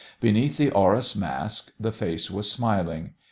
Beneath the Horus mask the face was smiling.